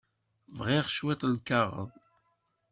Bɣiɣ cwiṭ n lkaɣeḍ.